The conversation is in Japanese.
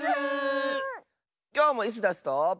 きょうもイスダスと。